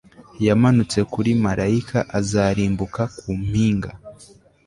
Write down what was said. Yamanutse kuri marayika azarimbuka ku mpinga